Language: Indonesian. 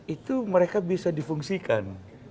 itu mereka bisa difungsikan